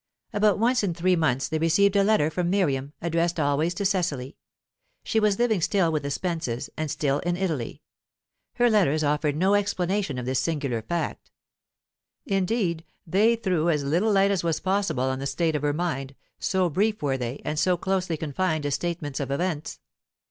About once in three months they received a letter from Miriam, addressed always to Cecily. She was living still with the Spences, and still in Italy. Her letters offered no explanation of this singular fact; indeed, they threw as little light as was possible on the state of her mind, so brief were they, and so closely confined to statements of events.